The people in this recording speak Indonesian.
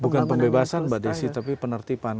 bukan pembebasan mbak desy tapi penertipan